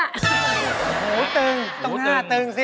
โอ้โฮตึงตรงหน้าตึงสิ